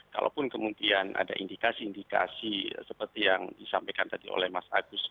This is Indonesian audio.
kalaupun kemudian ada indikasi indikasi seperti yang disampaikan tadi oleh mas agus